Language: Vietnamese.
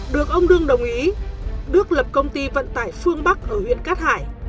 được ông lương đồng ý đức lập công ty vận tải phương bắc ở huyện cát hải